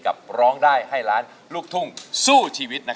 ร้องได้ให้ล้านลูกทุ่งสู้ชีวิต